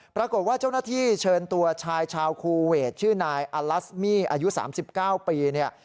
ปรากฏว่าเจ้าหน้าที่เชิญตัวชายชาวคูเวทชื่อนายอัลัสมี่อายุ๓๙ปีเนี่ย